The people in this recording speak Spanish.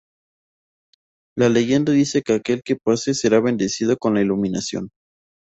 La leyenda dice que aquel que pase será bendecido con la iluminación.